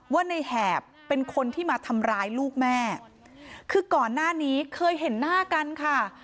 ว่าในแหบเป็นคนที่มาทำร้ายลูกแม่คือก่อนหน้านี้เคยเห็นหน้ากันค่ะ